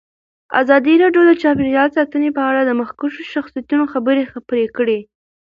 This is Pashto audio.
ازادي راډیو د چاپیریال ساتنه په اړه د مخکښو شخصیتونو خبرې خپرې کړي.